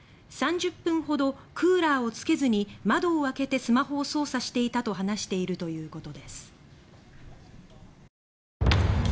「３０分ほどクーラーをつけずに窓を開けてスマホを操作していた」と話しているということです。